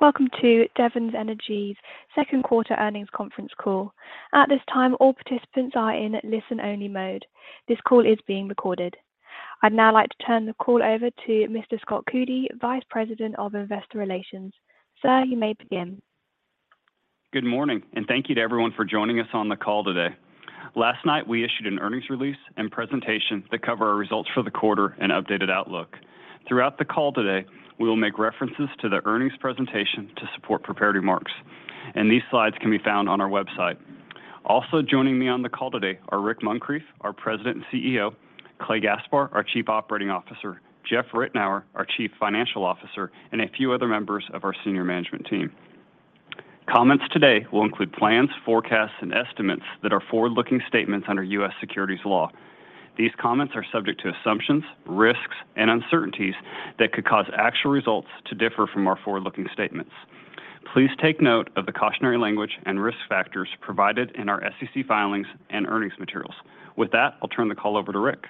Welcome to Devon Energy's Q2 Earnings Conference Call. At this time, all participants are in listen-only mode. This call is being recorded. I'd now like to turn the call over to Mr. Scott Coody, Vice President of Investor Relations. Sir, you may begin. Good morning, and thank you to everyone for joining us on the call today. Last night, we issued an earnings release and presentation that cover our results for the quarter and updated outlook. Throughout the call today, we will make references to the earnings presentation to support prepared remarks, and these slides can be found on our website. Also joining me on the call today are Rick Muncrief, our President and CEO, Clay Gaspar, our Chief Operating Officer, Jeff Ritenour, our Chief Financial Officer, and a few other members of our senior management team. Comments today will include plans, forecasts, and estimates that are forward-looking statements under U.S. securities law. These comments are subject to assumptions, risks, and uncertainties that could cause actual results to differ from our forward-looking statements. Please take note of the cautionary language and risk factors provided in our SEC filings and earnings materials. With that, I'll turn the call over to Rick.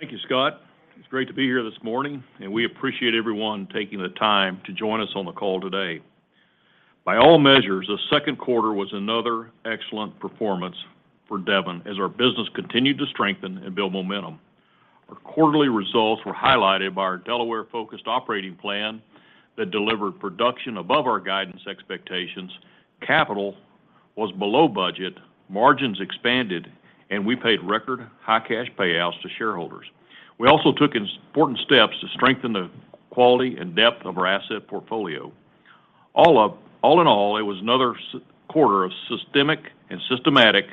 Thank you, Scott. It's great to be here this morning, and we appreciate everyone taking the time to join us on the call today. By all measures, the Q2 was another excellent performance for Devon as our business continued to strengthen and build momentum. Our quarterly results were highlighted by our Delaware-focused operating plan that delivered production above our guidance expectations, capital was below budget, margins expanded, and we paid record high cash payouts to shareholders. We also took important steps to strengthen the quality and depth of our asset portfolio. All in all, it was another strong quarter of strategic and systematic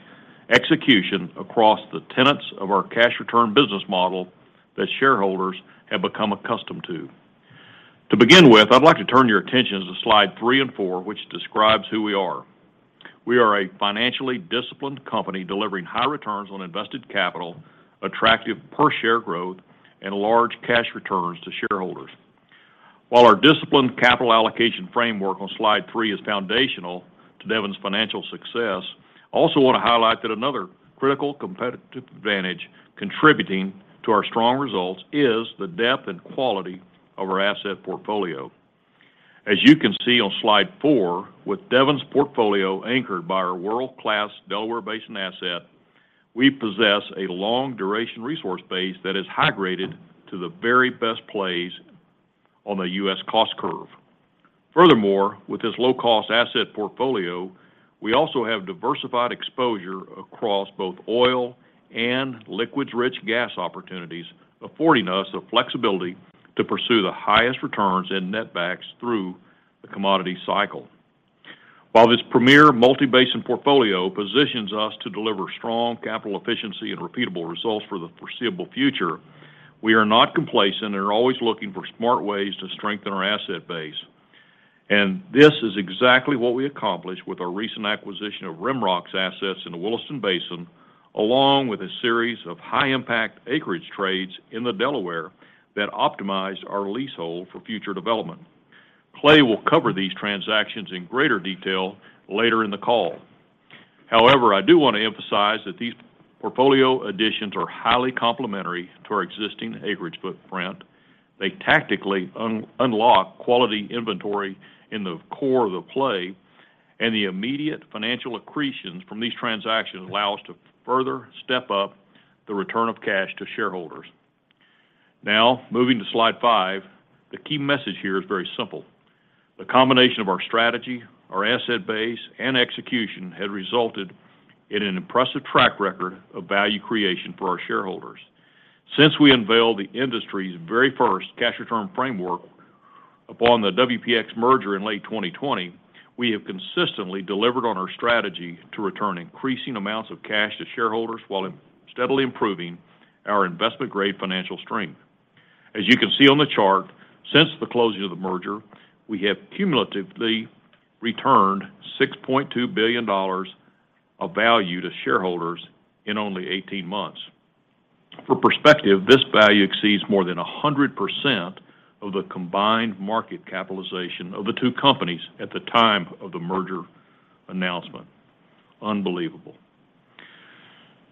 execution across the tenets of our cash return business model that shareholders have become accustomed to. To begin with, I'd like to turn your attention to slide three and four, which describes who we are. We are a financially disciplined company delivering high returns on invested capital, attractive per share growth, and large cash returns to shareholders. While our disciplined capital allocation framework on slide three is foundational to Devon's financial success, I also want to highlight that another critical competitive advantage contributing to our strong results is the depth and quality of our asset portfolio. As you can see on slide four, with Devon's portfolio anchored by our world-class Delaware Basin asset, we possess a long duration resource base that is high graded to the very best plays on the U.S. cost curve. Furthermore, with this low-cost asset portfolio, we also have diversified exposure across both oil and liquids-rich gas opportunities, affording us the flexibility to pursue the highest returns and netbacks through the commodity cycle. While this premier multi-basin portfolio positions us to deliver strong capital efficiency and repeatable results for the foreseeable future, we are not complacent and are always looking for smart ways to strengthen our asset base. This is exactly what we accomplished with our recent acquisition of RimRock's assets in the Williston Basin, along with a series of high-impact acreage trades in the Delaware that optimized our leasehold for future development. Clay will cover these transactions in greater detail later in the call. However, I do want to emphasize that these portfolio additions are highly complementary to our existing acreage footprint. They tactically unlock quality inventory in the core of the play, and the immediate financial accretions from these transactions allow us to further step up the return of cash to shareholders. Now, moving to slide five, the key message here is very simple. The combination of our strategy, our asset base, and execution had resulted in an impressive track record of value creation for our shareholders. Since we unveiled the industry's very first cash return framework upon the WPX merger in late 2020, we have consistently delivered on our strategy to return increasing amounts of cash to shareholders while steadily improving our investment-grade financial strength. As you can see on the chart, since the closing of the merger, we have cumulatively returned $6.2 billion of value to shareholders in only 18 months. For perspective, this value exceeds more than 100% of the combined market capitalization of the two companies at the time of the merger announcement. Unbelievable.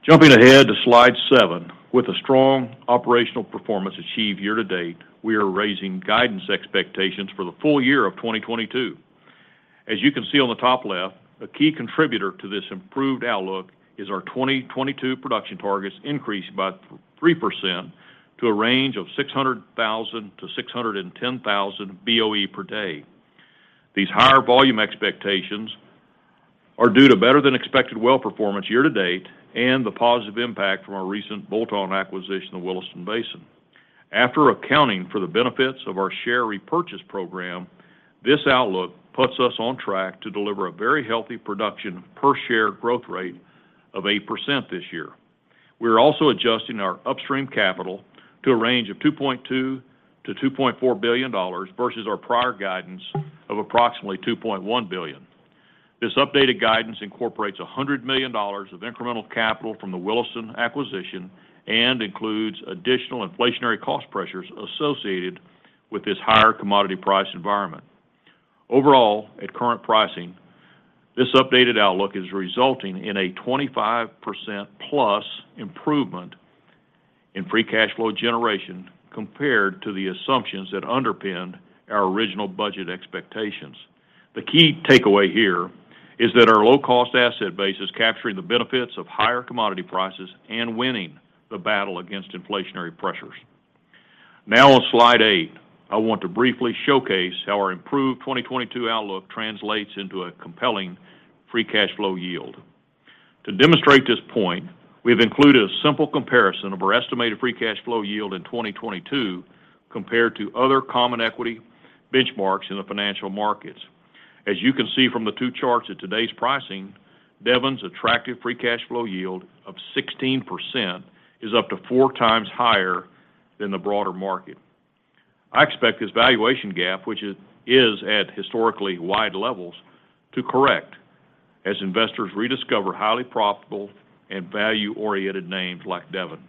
Jumping ahead to slide seven. With the strong operational performance achieved year to date, we are raising guidance expectations for the full year of 2022. As you can see on the top left, a key contributor to this improved outlook is our 2022 production targets increased by 3% to a range of 600,000-610,000 BOE per day. These higher volume expectations are due to better than expected well performance year to date and the positive impact from our recent bolt-on acquisition of Williston Basin. After accounting for the benefits of our share repurchase program, this outlook puts us on track to deliver a very healthy production per share growth rate of 8% this year. We are also adjusting our upstream capital to a range of $2.2 billion-$2.4 billion versus our prior guidance of approximately $2.1 billion. This updated guidance incorporates $100 million of incremental capital from the Williston acquisition and includes additional inflationary cost pressures associated with this higher commodity price environment. Overall, at current pricing, this updated outlook is resulting in a 25%+ improvement in free cash flow generation compared to the assumptions that underpinned our original budget expectations. The key takeaway here is that our low-cost asset base is capturing the benefits of higher commodity prices and winning the battle against inflationary pressures. Now on slide eight, I want to briefly showcase how our improved 2022 outlook translates into a compelling free cash flow yield. To demonstrate this point, we have included a simple comparison of our estimated free cash flow yield in 2022 compared to other common equity benchmarks in the financial markets. As you can see from the two charts at today's pricing, Devon's attractive free cash flow yield of 16% is up to four times higher than the broader market. I expect this valuation gap, which is at historically wide levels, to correct as investors rediscover highly profitable and value-oriented names like Devon.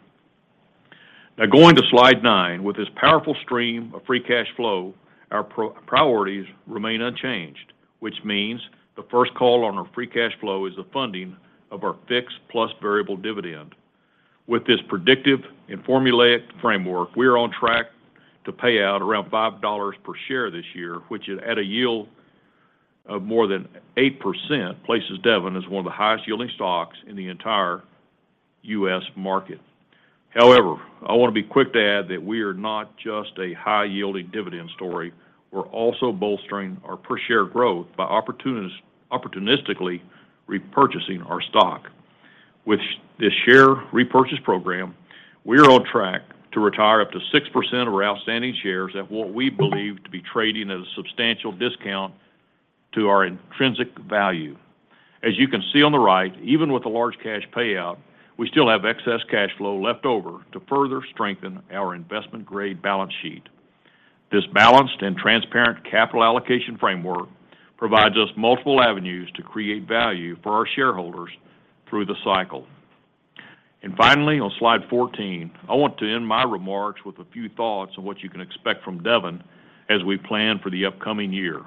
Now going to slide nine. With this powerful stream of free cash flow, our priorities remain unchanged, which means the first call on our free cash flow is the funding of our fixed plus variable dividend. With this predictive and formulaic framework, we are on track to pay out around $5 per share this year, which at a yield of more than 8% places Devon as one of the highest-yielding stocks in the entire U.S. market. However, I wanna be quick to add that we are not just a high-yielding dividend story. We're also bolstering our per share growth by opportunistically repurchasing our stock. With this share repurchase program, we are on track to retire up to 6% of our outstanding shares at what we believe to be trading at a substantial discount to our intrinsic value. As you can see on the right, even with a large cash payout, we still have excess cash flow left over to further strengthen our investment-grade balance sheet. This balanced and transparent capital allocation framework provides us multiple avenues to create value for our shareholders through the cycle. Finally, on slide 14, I want to end my remarks with a few thoughts on what you can expect from Devon as we plan for the upcoming year.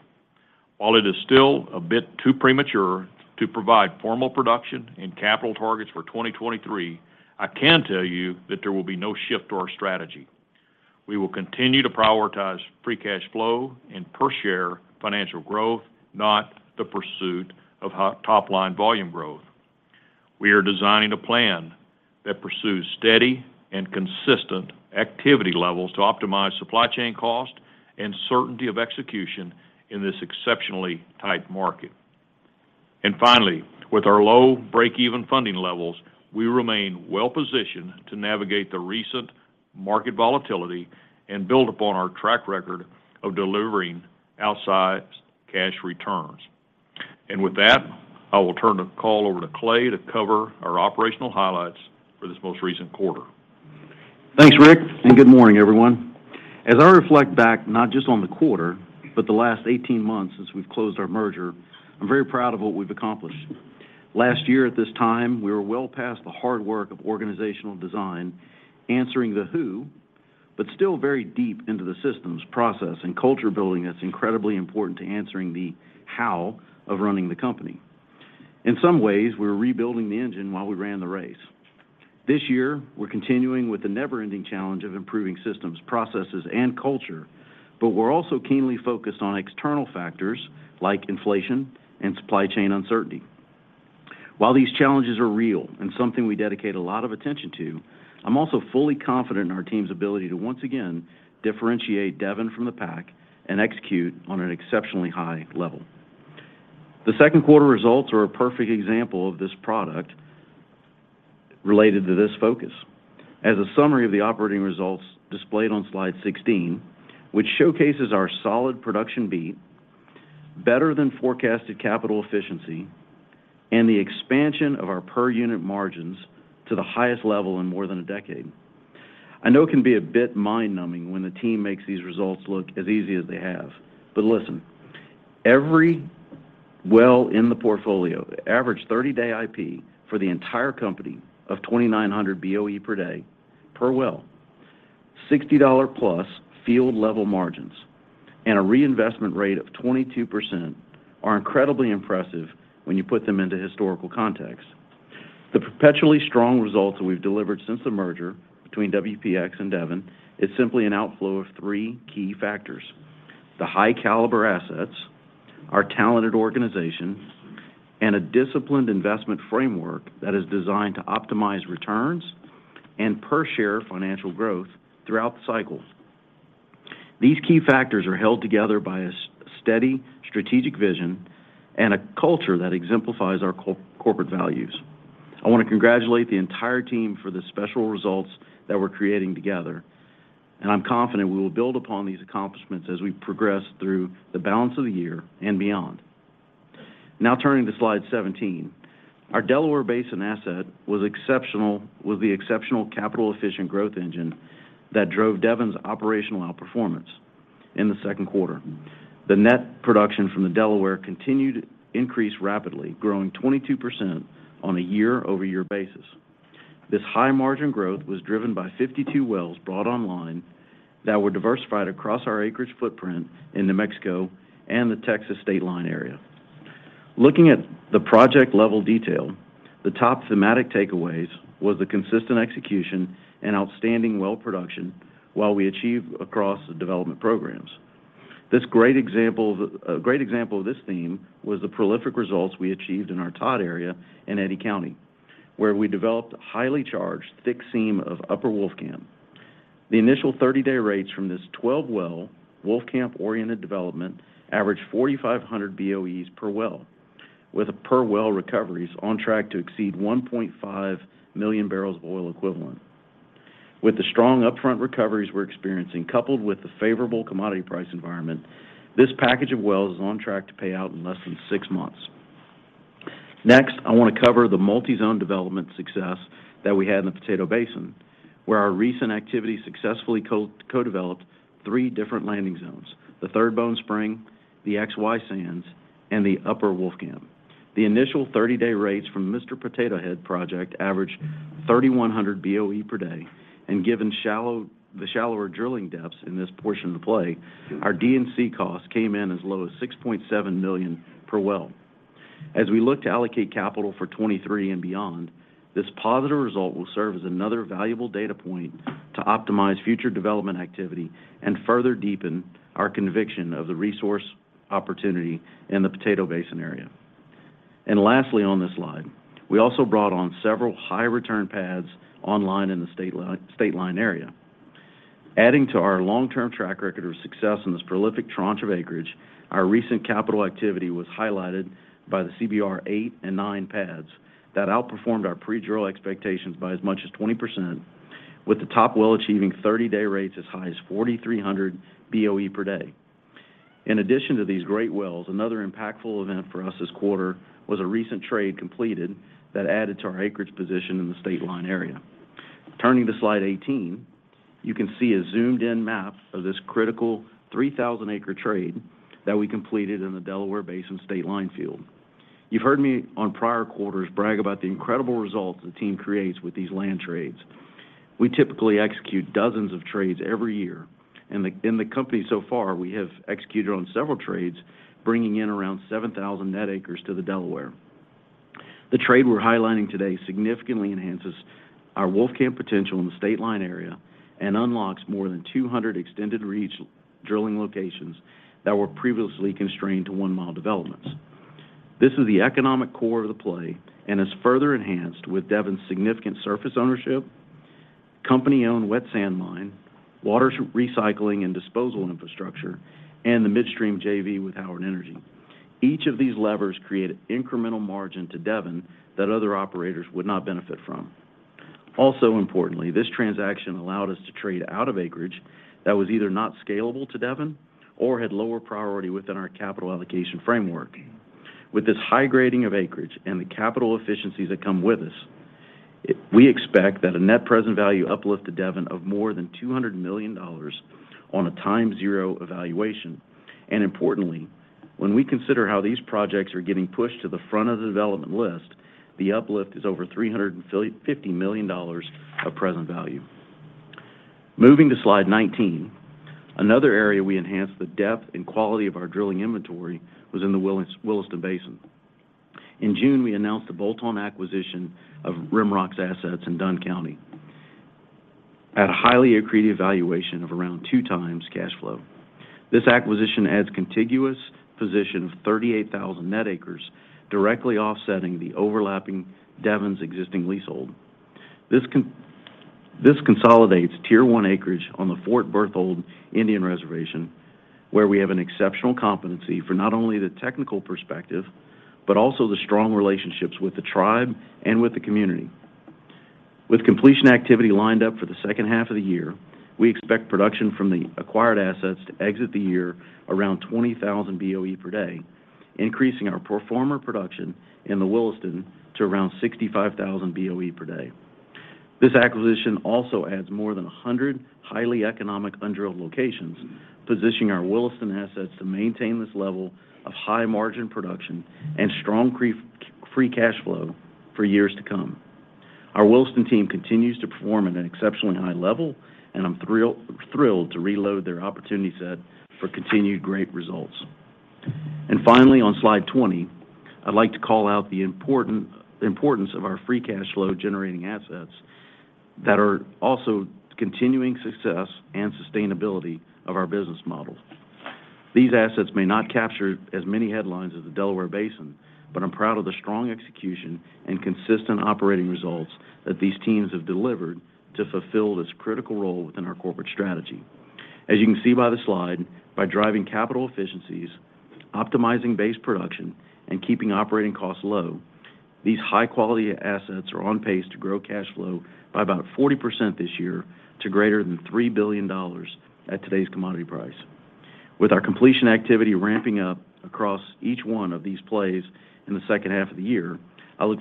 While it is still a bit too premature to provide formal production and capital targets for 2023, I can tell you that there will be no shift to our strategy. We will continue to prioritize free cash flow and per share financial growth, not the pursuit of hi-top-line volume growth. We are designing a plan that pursues steady and consistent activity levels to optimize supply chain cost and certainty of execution in this exceptionally tight market. Finally, with our low break-even funding levels, we remain well-positioned to navigate the recent market volatility and build upon our track record of delivering outsized cash returns. With that, I will turn the call over to Clay to cover our operational highlights for this most recent quarter. Thanks, Rick, and good morning, everyone. As I reflect back not just on the quarter, but the last 18 months since we've closed our merger, I'm very proud of what we've accomplished. Last year at this time, we were well past the hard work of organizational design, answering the who, but still very deep into the systems, process, and culture building that's incredibly important to answering the how of running the company. In some ways, we were rebuilding the engine while we ran the race. This year, we're continuing with the never-ending challenge of improving systems, processes, and culture, but we're also keenly focused on external factors like inflation and supply chain uncertainty. While these challenges are real and something we dedicate a lot of attention to, I'm also fully confident in our team's ability to once again differentiate Devon from the pack and execute on an exceptionally high level. The Q2 results are a perfect example of this productivity related to this focus. As a summary of the operating results displayed on slide 16, which showcases our solid production beat, better than forecasted capital efficiency, and the expansion of our per unit margins to the highest level in more than a decade. I know it can be a bit mind-numbing when the team makes these results look as easy as they have. Listen, every well in the portfolio, the average 30-day IP for the entire company of 2,900 BOE per day per well, $60+ field level margins, and a reinvestment rate of 22% are incredibly impressive when you put them into historical context. The perpetually strong results that we've delivered since the merger between WPX and Devon is simply an outflow of three key factors. The high caliber assets, our talented organization, and a disciplined investment framework that is designed to optimize returns and per share financial growth throughout the cycles. These key factors are held together by a steady strategic vision and a culture that exemplifies our corporate values. I wanna congratulate the entire team for the special results that we're creating together, and I'm confident we will build upon these accomplishments as we progress through the balance of the year and beyond. Now turning to slide 17. Our Delaware Basin asset was the exceptional capital efficient growth engine that drove Devon's operational outperformance in the Q2. The net production from the Delaware continued to increase rapidly, growing 22% on a year-over-year basis. This high margin growth was driven by 52 wells brought online that were diversified across our acreage footprint in New Mexico and the Texas State Line area. Looking at the project level detail, the top thematic takeaways was the consistent execution and outstanding well production while we achieve across the development programs. A great example of this theme was the prolific results we achieved in our Todd area in Eddy County, where we developed a highly charged thick seam of Upper Wolfcamp. The initial 30-day rates from this 12-well Wolfcamp-oriented development averaged 4,500 BOEs per well, with per well recoveries on track to exceed 1.5 million barrels of oil equivalent. With the strong upfront recoveries we're experiencing, coupled with the favorable commodity price environment, this package of wells is on track to pay out in less than six months. Next, I wanna cover the multi-zone development success that we had in the Delaware Basin, where our recent activity successfully co-developed three different landing zones, the 3rd Bone Spring, the XY Sands, and the Upper Wolfcamp. The initial 30-day rates from Mr. Potato Head project averaged 3,100 BOE per day. Given the shallower drilling depths in this portion of the play, our D&C costs came in as low as $6.7 million per well. As we look to allocate capital for 2023 and beyond, this positive result will serve as another valuable data point to optimize future development activity and further deepen our conviction of the resource opportunity in the Delaware Basin area. Lastly on this slide, we also brought on several high return pads online in the State Line area. Adding to our long-term track record of success in this prolific tranche of acreage, our recent capital activity was highlighted by the CBR eight and nine pads that outperformed our pre-drill expectations by as much as 20%, with the top well achieving 30-day rates as high as 4,300 BOE per day. In addition to these great wells, another impactful event for us this quarter was a recent trade completed that added to our acreage position in the State Line area. Turning to slide 18, you can see a zoomed-in map of this critical 3,000-acre trade that we completed in the Delaware Basin State Line field. You've heard me on prior quarters brag about the incredible results the team creates with these land trades. We typically execute dozens of trades every year. In the company so far, we have executed on several trades, bringing in around 7,000 net acres to the Delaware. The trade we're highlighting today significantly enhances our Wolfcamp potential in the State Line area and unlocks more than 200 extended reach drilling locations that were previously constrained to one mile developments. This is the economic core of the play and is further enhanced with Devon's significant surface ownership, company-owned wet sand mine, water recycling and disposal infrastructure, and the midstream JV with Howard Energy. Each of these levers create an incremental margin to Devon that other operators would not benefit from. Also importantly, this transaction allowed us to trade out of acreage that was either not scalable to Devon or had lower priority within our capital allocation framework. With this high grading of acreage and the capital efficiencies that come with this, we expect that a net present value uplift to Devon of more than $200 million on a time zero evaluation. Importantly, when we consider how these projects are getting pushed to the front of the development list, the uplift is over $350 million of present value. Moving to slide 19, another area we enhanced the depth and quality of our drilling inventory was in the Williston Basin. In June, we announced the bolt-on acquisition of RimRock's assets in Dunn County at a highly accretive valuation of around 2x cash flow. This acquisition adds contiguous position of 38,000 net acres directly offsetting the overlapping Devon's existing leasehold. This consolidates tier one acreage on the Fort Berthold Indian Reservation, where we have an exceptional competency for not only the technical perspective, but also the strong relationships with the tribe and with the community. With completion activity lined up for the H2 of the year, we expect production from the acquired assets to exit the year around 20,000 BOE per day, increasing our pro forma production in the Williston to around 65,000 BOE per day. This acquisition also adds more than 100 highly economic undrilled locations, positioning our Williston assets to maintain this level of high margin production and strong free cash flow for years to come. Our Williston team continues to perform at an exceptionally high level, and I'm thrilled to reload their opportunity set for continued great results. Finally, on slide 20, I'd like to call out the importance of our free cash flow generating assets that are also continuing success and sustainability of our business model. These assets may not capture as many headlines as the Delaware Basin, but I'm proud of the strong execution and consistent operating results that these teams have delivered to fulfill this critical role within our corporate strategy. As you can see by the slide, by driving capital efficiencies, optimizing base production, and keeping operating costs low, these high-quality assets are on pace to grow cash flow by about 40% this year to greater than $3 billion at today's commodity price. With our completion activity ramping up across each one of these plays in the H2 of the year, I look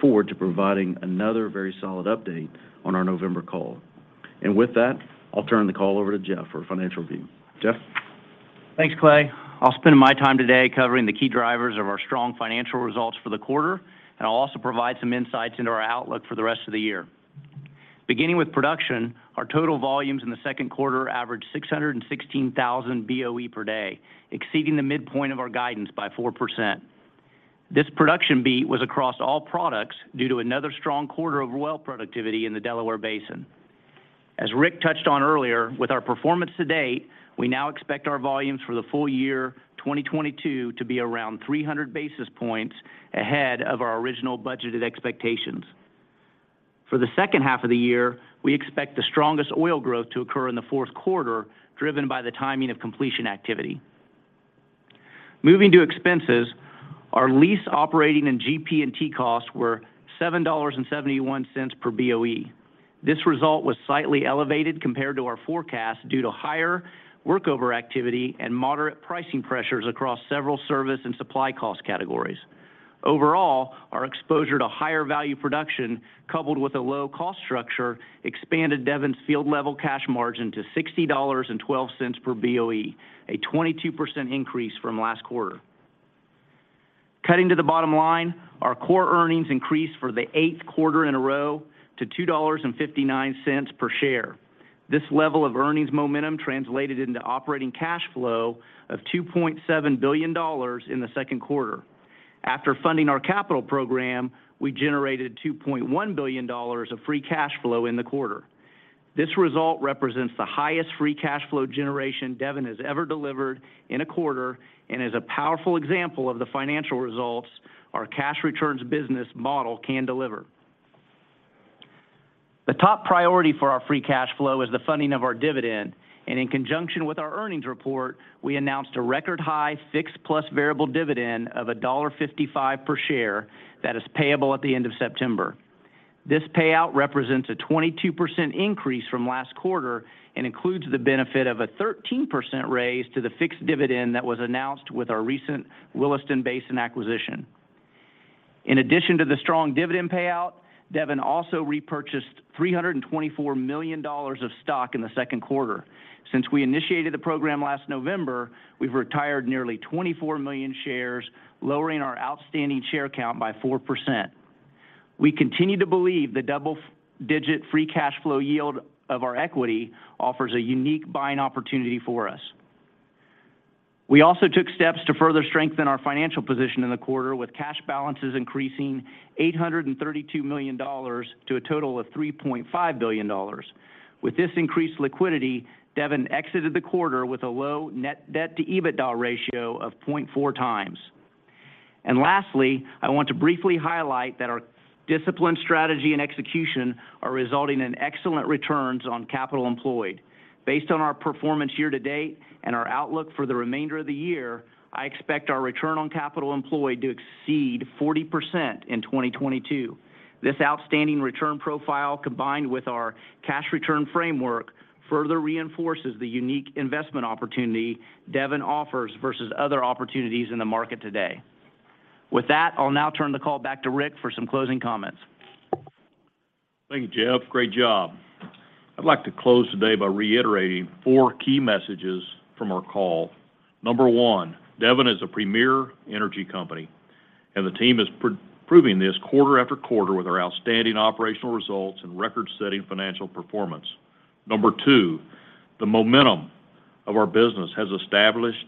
forward to providing another very solid update on our November call. With that, I'll turn the call over to Jeff for a financial review. Jeff? Thanks, Clay. I'll spend my time today covering the key drivers of our strong financial results for the quarter, and I'll also provide some insights into our outlook for the rest of the year. Beginning with production, our total volumes in the Q2 averaged 616,000 BOE per day, exceeding the midpoint of our guidance by 4%. This production beat was across all products due to another strong quarter of well productivity in the Delaware Basin. As Rick touched on earlier, with our performance to date, we now expect our volumes for the full year 2022 to be around 300 basis points ahead of our original budgeted expectations. For the H2 of the year, we expect the strongest oil growth to occur in the fourth quarter, driven by the timing of completion activity. Moving to expenses, our lease operating and GP&T costs were $7.71 per BOE. This result was slightly elevated compared to our forecast due to higher workover activity and moderate pricing pressures across several service and supply cost categories. Overall, our exposure to higher value production coupled with a low cost structure expanded Devon's field level cash margin to $60.12 per BOE, a 22% increase from last quarter. Cutting to the bottom line, our core earnings increased for the eighth quarter in a row to $2.59 per share. This level of earnings momentum translated into operating cash flow of $2.7 billion in the Q2. After funding our capital program, we generated $2.1 billion of free cash flow in the quarter. This result represents the highest free cash flow generation Devon has ever delivered in a quarter and is a powerful example of the financial results our cash returns business model can deliver. The top priority for our free cash flow is the funding of our dividend. In conjunction with our earnings report, we announced a record high fixed plus variable dividend of $1.55 per share that is payable at the end of September. This payout represents a 22% increase from last quarter and includes the benefit of a 13% raise to the fixed dividend that was announced with our recent Williston Basin acquisition. In addition to the strong dividend payout, Devon also repurchased $324 million of stock in the Q2. Since we initiated the program last November, we've retired nearly 24 million shares, lowering our outstanding share count by 4%. We continue to believe the double digit free cash flow yield of our equity offers a unique buying opportunity for us. We also took steps to further strengthen our financial position in the quarter with cash balances increasing $832 million to a total of $3.5 billion. With this increased liquidity, Devon exited the quarter with a low net debt to EBITDA ratio of 0.4 times. Lastly, I want to briefly highlight that our disciplined strategy and execution are resulting in excellent returns on capital employed. Based on our performance year to date and our outlook for the remainder of the year, I expect our return on capital employed to exceed 40% in 2022. This outstanding return profile, combined with our cash return framework, further reinforces the unique investment opportunity Devon offers versus other opportunities in the market today. With that, I'll now turn the call back to Rick for some closing comments. Thank you, Jeff. Great job. I'd like to close today by reiterating four key messages from our call. Number one, Devon is a premier energy company, and the team is proving this quarter after quarter with our outstanding operational results and record-setting financial performance. Number two, the momentum of our business has established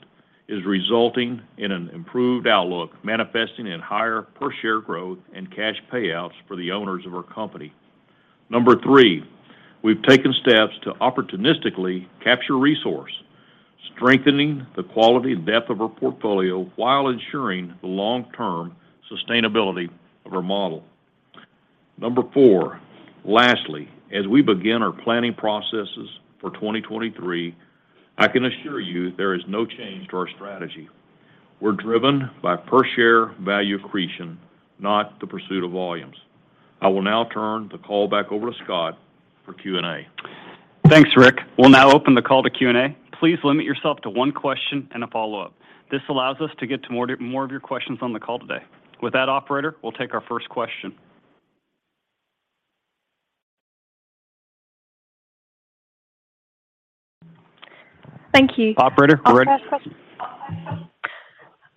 is resulting in an improved outlook, manifesting in higher per-share growth and cash payouts for the owners of our company. Number three, we've taken steps to opportunistically capture resource, strengthening the quality and depth of our portfolio while ensuring the long-term sustainability of our model. Number four, lastly, as we begin our planning processes for 2023, I can assure you there is no change to our strategy. We're driven by per-share value accretion, not the pursuit of volumes. I will now turn the call back over to Scott for Q&A. Thanks, Rick. We'll now open the call to Q&A. Please limit yourself to one question and a follow-up. This allows us to get to more of your questions on the call today. With that, operator, we'll take our first question. Thank you. Operator, we're ready.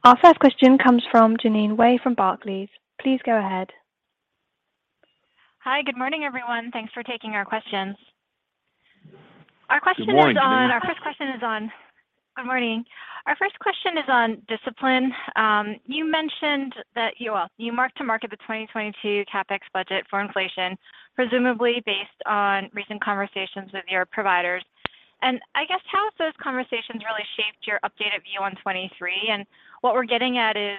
Our first question comes from Jeanine Wai from Barclays. Please go ahead. Hi. Good morning, everyone. Thanks for taking our questions. Good morning, Jeanine. Good morning. Our first question is on discipline. You mentioned that you all, you marked to market the 2022 CapEx budget for inflation, presumably based on recent conversations with your providers. I guess how have those conversations really shaped your updated view on 2023? What we're getting at is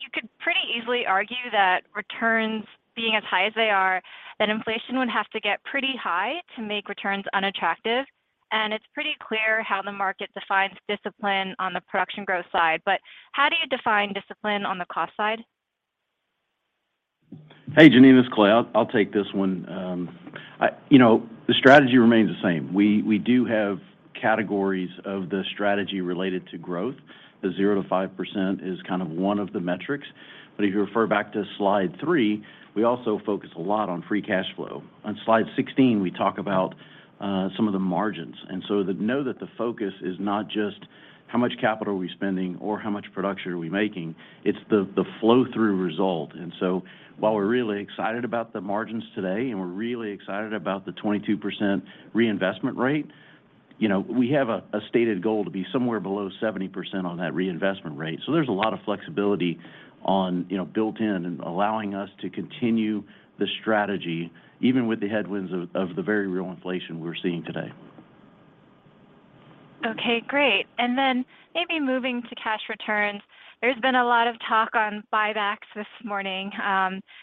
you could pretty easily argue that returns being as high as they are, that inflation would have to get pretty high to make returns unattractive. It's pretty clear how the market defines discipline on the production growth side. How do you define discipline on the cost side? Hey, Jeanine, it's Clay. I'll take this one. You know, the strategy remains the same. We do have categories of the strategy related to growth. The 0%-5% is kind of one of the metrics. If you refer back to slide three, we also focus a lot on free cash flow. On slide 16, we talk about some of the margins. You know that the focus is not just how much capital are we spending or how much production are we making, it's the flow-through result. While we're really excited about the margins today, and we're really excited about the 22% reinvestment rate. You know, we have a stated goal to be somewhere below 70% on that reinvestment rate. There's a lot of flexibility on, you know, built in and allowing us to continue the strategy even with the headwinds of the very real inflation we're seeing today. Okay, great. Maybe moving to cash returns. There's been a lot of talk on buybacks this morning.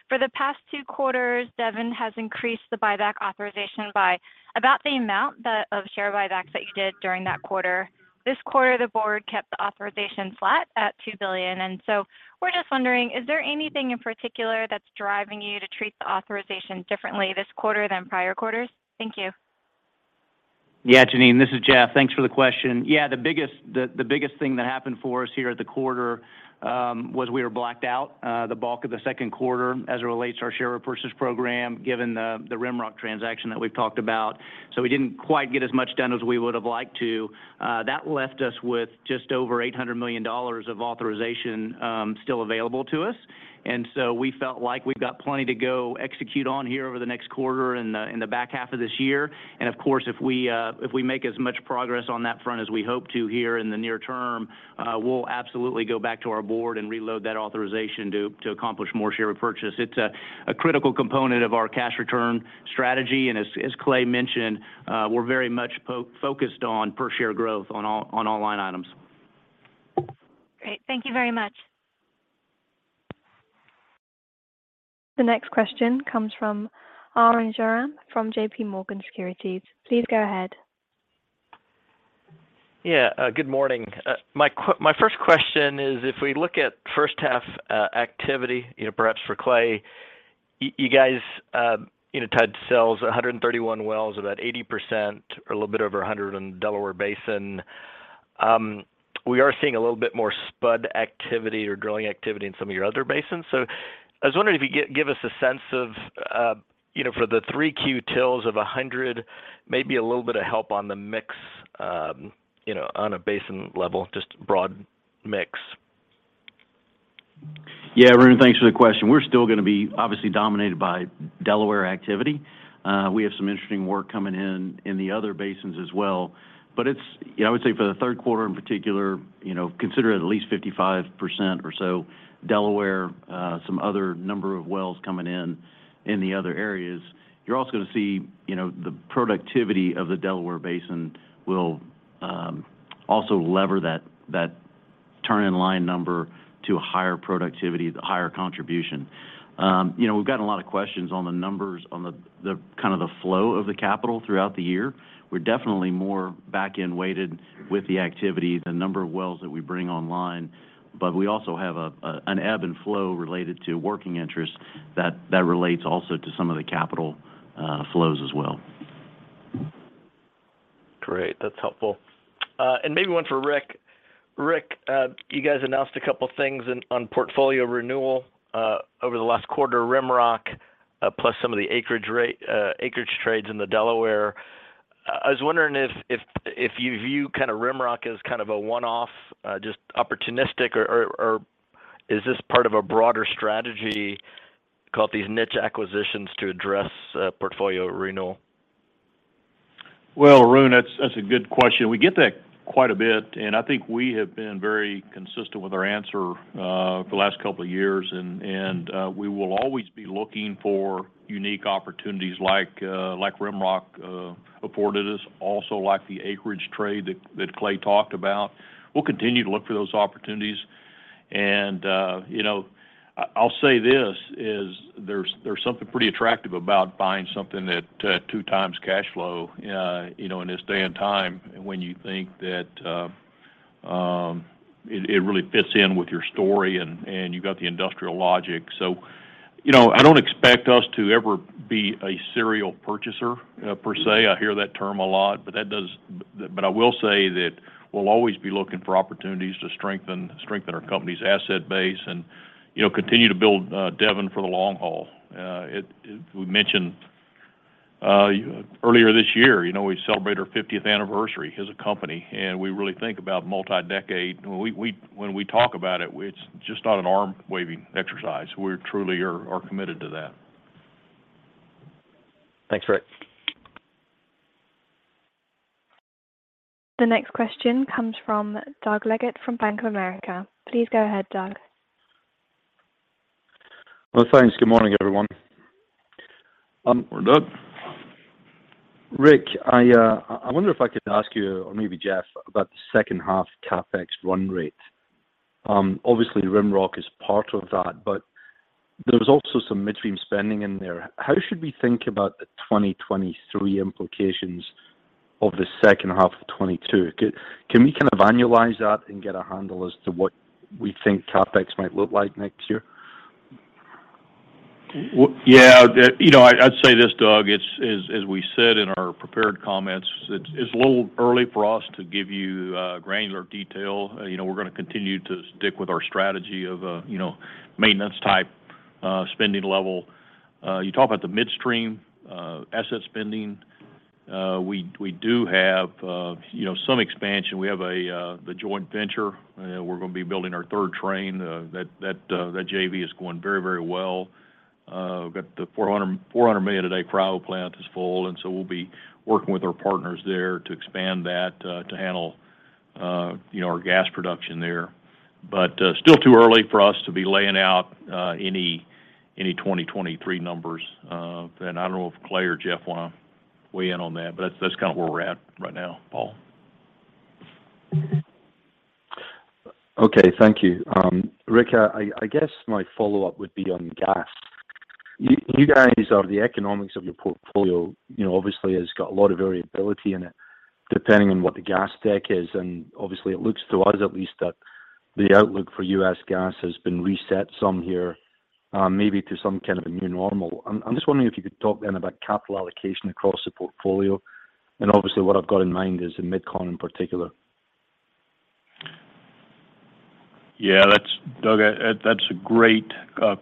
For the past two quarters, Devon has increased the buyback authorization by about the amount of share buybacks that you did during that quarter. This quarter, the board kept the authorization flat at $2 billion. We're just wondering, is there anything in particular that's driving you to treat the authorization differently this quarter than prior quarters? Thank you. Yeah, Jeanine, this is Jeff. Thanks for the question. Yeah, the biggest thing that happened for us here at the quarter was we were blacked out the bulk of the Q2 as it relates to our share repurchase program, given the RimRock transaction that we've talked about. We didn't quite get as much done as we would have liked to. That left us with just over $800 million of authorization still available to us. We felt like we've got plenty to go execute on here over the next quarter and in the back half of this year. Of course, if we make as much progress on that front as we hope to here in the near term, we'll absolutely go back to our board and reload that authorization to accomplish more share repurchase. It's a critical component of our cash return strategy. As Clay mentioned, we're very much focused on per share growth on all line items. Great. Thank you very much. The next question comes from Arun Jayaram from JPMorgan Securities. Please go ahead. Good morning. My first question is, if we look at first half activity, you know, perhaps for Clay, you guys, you know, tied to sales 131 wells, about 80% or a little bit over 100 on Delaware Basin. We are seeing a little bit more spud activity or drilling activity in some of your other basins. I was wondering if you give us a sense of, you know, for the Q3 till Q4, maybe a little bit of help on the mix, you know, on a basin level, just broad mix. Yeah. Arun, thanks for the question. We're still gonna be obviously dominated by Delaware activity. We have some interesting work coming in in the other basins as well, but it's. I would say for the third quarter in particular, you know, consider it at least 55% or so Delaware, some other number of wells coming in in the other areas. You're also gonna see, you know, the productivity of the Delaware Basin will also leverage that turn-in-line number to a higher productivity, the higher contribution. You know, we've gotten a lot of questions on the numbers on the kind of the flow of the capital throughout the year. We're definitely more back-end weighted with the activity, the number of wells that we bring online. We also have an ebb and flow related to working interest that relates also to some of the capital flows as well. Great. That's helpful. Maybe one for Rick. Rick, you guys announced a couple things on portfolio renewal over the last quarter, RimRock, plus some of the acreage trades in the Delaware. I was wondering if you view kind of RimRock as kind of a one-off, just opportunistic or is this part of a broader strategy called these niche acquisitions to address portfolio renewal? Well, Arun, that's a good question. We get that quite a bit, and I think we have been very consistent with our answer for the last couple of years. We will always be looking for unique opportunities like RimRock afforded us, also like the acreage trade that Clay talked about. We'll continue to look for those opportunities. You know, I'll say this. There's something pretty attractive about buying something that 2x cash flow you know in this day and time, and when you think that it really fits in with your story and you've got the industrial logic. You know, I don't expect us to ever be a serial purchaser per se. I hear that term a lot, but I will say that we'll always be looking for opportunities to strengthen our company's asset base and, you know, continue to build Devon for the long haul. We mentioned earlier this year, you know, we celebrate our 50th anniversary as a company, and we really think about multi-decade. When we talk about it's just not an arm-waving exercise. We truly are committed to that. Thanks, Rick. The next question comes from Doug Leggate from Bank of America. Please go ahead, Doug. Well, thanks. Good morning, everyone. Good morning, Doug. Rick, I wonder if I could ask you or maybe Jeff about the H2 CapEx run rate. Obviously, RimRock is part of that, but there was also some midstream spending in there. How should we think about the 2023 implications of the H2 of 2022? Can we kind of annualize that and get a handle as to what we think CapEx might look like next year? Well, yeah. You know, I'd say this, Doug, it's as we said in our prepared comments, it's a little early for us to give you granular detail. You know, we're gonna continue to stick with our strategy of, you know, maintenance type spending level. You talk about the midstream asset spending. We do have, you know, some expansion. We have the joint venture. We're gonna be building our third train. That JV is going very well. We've got the 400 million-a-day cryo plant is full, and so we'll be working with our partners there to expand that to handle, you know, our gas production there. Still too early for us to be laying out any 2023 numbers. I don't know if Clay or Jeff wanna weigh in on that, but that's kind of where we're at right now, Doug. Okay. Thank you. Rick, I guess my follow-up would be on gas. The economics of your portfolio, you know, obviously has got a lot of variability in it depending on what the gas deck is. Obviously it looks to us at least that the outlook for U.S. gas has been reset some here, maybe to some kind of a new normal. I'm just wondering if you could talk then about capital allocation across the portfolio. Obviously what I've got in mind is in MidCon in particular. Yeah, that's Doug, that's a great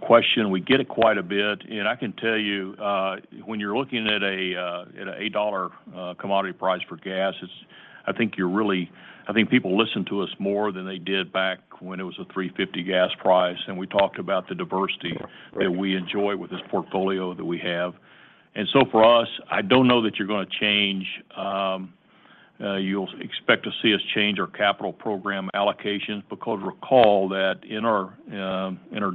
question. We get it quite a bit. I can tell you, when you're looking at an $8 commodity price for gas, it's, I think, people listen to us more than they did back when it was a $3.50 gas price. We talked about the diversity that we enjoy with this portfolio that we have. For us, I don't know that you're going to see us change our capital program allocations because recall that in our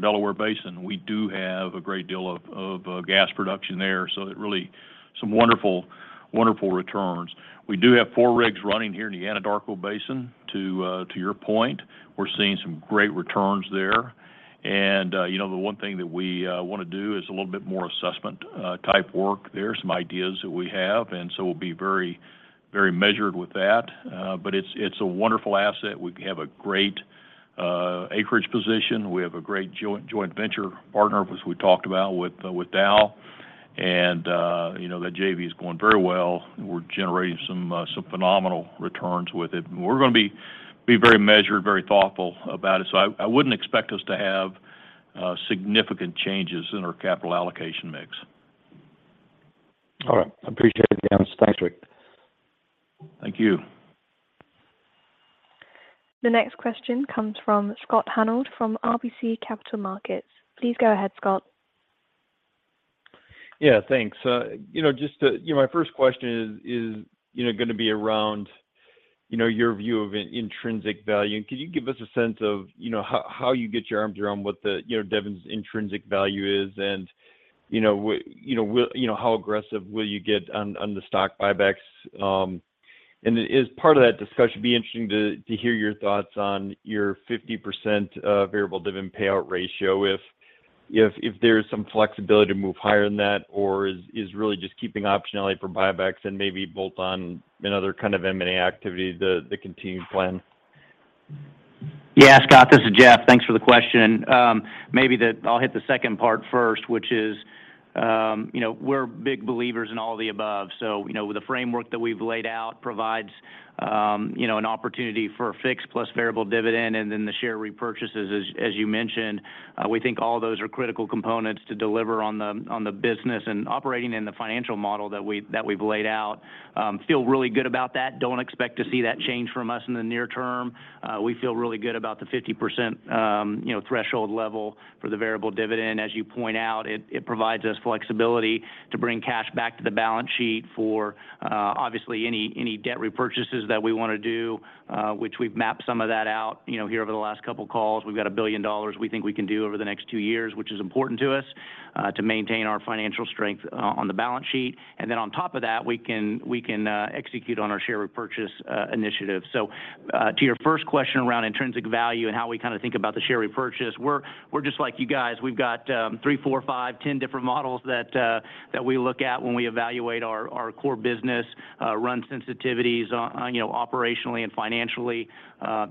Delaware Basin, we do have a great deal of gas production there. So it really gives us some wonderful returns. We do have four rigs running here in the Anadarko Basin, to your point. We're seeing some great returns there. You know, the one thing that we wanna do is a little bit more assessment type work there, some ideas that we have. We'll be very measured with that. But it's a wonderful asset. We have a great acreage position. We have a great joint venture partner, as we talked about with Dow. You know, that JV is going very well. We're generating some phenomenal returns with it. We're gonna be very measured, very thoughtful about it. I wouldn't expect us to have significant changes in our capital allocation mix. All right. I appreciate the answer. Thanks, Rick. Thank you. The next question comes from Scott Hanold from RBC Capital Markets. Please go ahead, Scott. Yeah, thanks. You know, my first question is you know, gonna be around, you know, your view of intrinsic value. Could you give us a sense of, you know, how you get your arms around what the, you know, Devon's intrinsic value is and, you know, how aggressive will you get on the stock buybacks? Is part of that discussion be interesting to hear your thoughts on your 50% variable dividend payout ratio, if there's some flexibility to move higher than that, or is really just keeping optionality for buybacks and maybe bolt-on and other kind of M&A activity the continued plan? Yeah, Scott, this is Jeff. Thanks for the question. Maybe I'll hit the second part first, which is, you know, we're big believers in all of the above. So, you know, with the framework that we've laid out provides, you know, an opportunity for a fixed plus variable dividend, and then the share repurchases as you mentioned. We think all those are critical components to deliver on the business and operating in the financial model that we've laid out. Feel really good about that. Don't expect to see that change from us in the near term. We feel really good about the 50%, you know, threshold level for the variable dividend. As you point out, it provides us flexibility to bring cash back to the balance sheet for, obviously any debt repurchases that we wanna do, which we've mapped some of that out, you know, here over the last couple calls. We've got $1 billion we think we can do over the next two years, which is important to us, to maintain our financial strength on the balance sheet. On top of that, we can execute on our share repurchase initiative. To your first question around intrinsic value and how we kinda think about the share repurchase, we're just like you guys. We've got three, four, five, 10 different models that we look at when we evaluate our core business, run sensitivities on, you know, operationally and financially,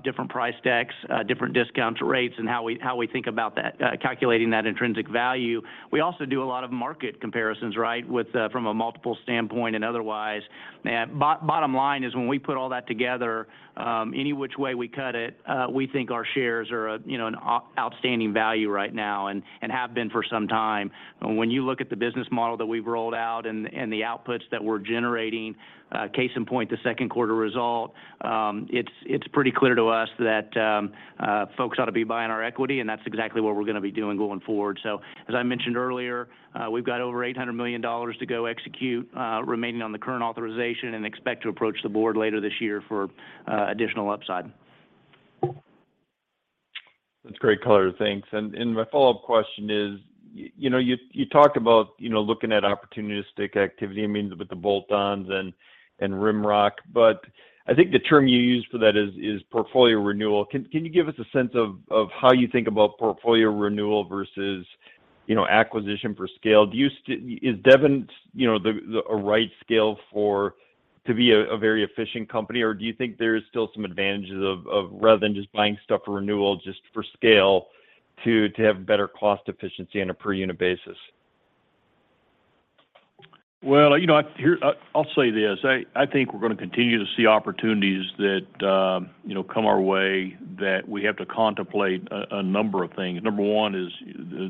different price decks, different discount rates, and how we think about that, calculating that intrinsic value. We also do a lot of market comparisons, right? With from a multiple standpoint and otherwise. Bottom line is when we put all that together, any which way we cut it, we think our shares are, you know, an outstanding value right now and have been for some time. When you look at the business model that we've rolled out and the outputs that we're generating, case in point, the second quarter result, it's pretty clear to us that folks ought to be buying our equity, and that's exactly what we're gonna be doing going forward. As I mentioned earlier, we've got over $800 million to go execute remaining on the current authorization and expect to approach the board later this year for additional upside. That's great color. Thanks. My follow-up question is, you know, you talked about, you know, looking at opportunistic activity, I mean, with the bolt-ons and RimRock. But I think the term you used for that is portfolio renewal. Can you give us a sense of how you think about portfolio renewal versus, you know, acquisition for scale? Is Devon's, you know, the a right scale for to be a very efficient company, or do you think there is still some advantages of rather than just buying stuff for renewal, just for scale to have better cost efficiency on a per unit basis? Well, you know, I'll say this. I think we're gonna continue to see opportunities that, you know, come our way that we have to contemplate a number of things. Number one is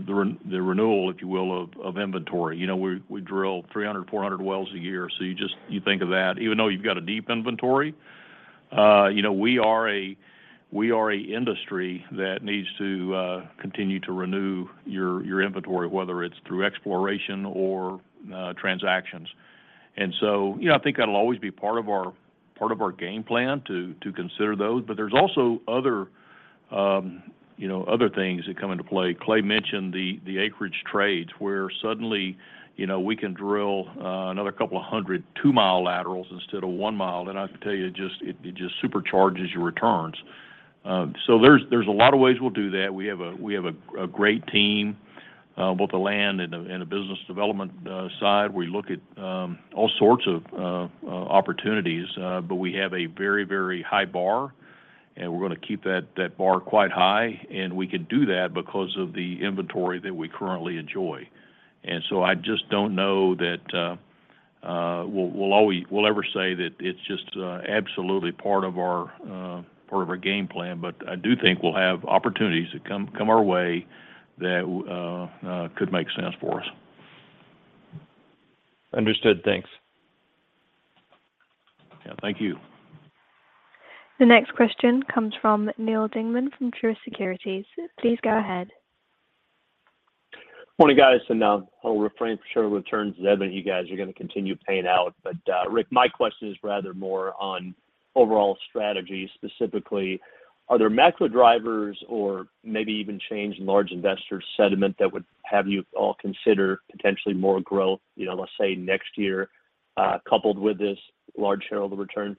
the renewal, if you will, of inventory. You know, we drill 300-400 wells a year. So you just think of that. Even though you've got a deep inventory, you know, we are an industry that needs to continue to renew your inventory, whether it's through exploration or transactions. You know, I think that'll always be part of our game plan to consider those. There's also other things that come into play. Clay mentioned the acreage trades, where suddenly, you know, we can drill another couple of hundred two-mile laterals instead of one mile. I can tell you, it just supercharges your returns. There's a lot of ways we'll do that. We have a great team, both the land and the business development side. We look at all sorts of opportunities. We have a very high bar, and we're gonna keep that bar quite high, and we can do that because of the inventory that we currently enjoy. I just don't know that we'll always say that it's just absolutely part of our game plan. I do think we'll have opportunities that come our way that could make sense for us. Understood. Thanks. Yeah, thank you. The next question comes from Neal Dingmann from Truist Securities. Please go ahead. Morning, guys. I appreciate shareholder returns, Devon. You guys are gonna continue paying out. Rick, my question is rather more on overall strategy. Specifically, are there macro drivers or maybe even change in large investor sentiment that would have you all consider potentially more growth, you know, let's say, next year, coupled with this large shareholder return?